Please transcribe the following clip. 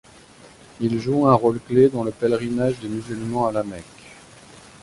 Il joue un rôle-clé dans le pèlerinage des musulmans à La Mecque.